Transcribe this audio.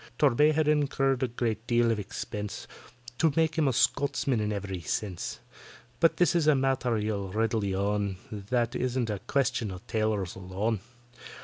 TORBAY had incurred a good deal of expense To make him a Scotchman in every sense; But this is a matter, you'll readily own, That isn't a question of tailors alone.